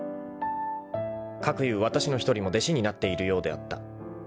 ［かくいうわたしの１人も弟子になっているようであった］